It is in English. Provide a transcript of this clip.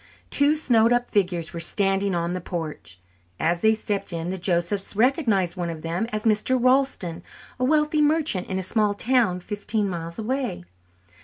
Two snowed up figures were standing on the porch. As they stepped in, the Josephs recognized one of them as Mr. Ralston, a wealthy merchant in a small town fifteen miles away.